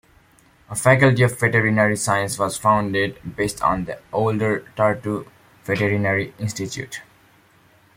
A Faculty of Veterinary Science was founded based on the older Tartu Veterinary Institute.